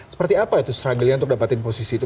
seperti apa itu struggling untuk mendapatkan posisi itu